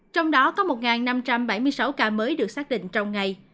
trong đó có một năm trăm bảy mươi sáu ca mới được xác định trong ngày